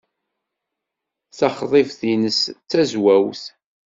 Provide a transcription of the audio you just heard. Taxḍibt-nnes d tazwawt.